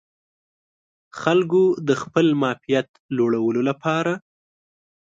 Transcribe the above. خلکو د خپل معافیت لوړولو لپاره